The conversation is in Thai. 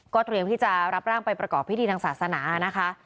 เตรียมที่จะรับร่างไปประกอบพิธีทางศาสนานะคะ